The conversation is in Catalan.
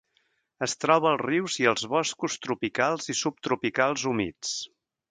Es troba als rius i als boscos tropicals i subtropicals humits.